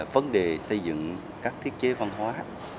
vấn đề xây dựng các thiết chế văn hóa